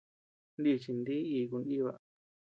Nichin dí iku nʼiba.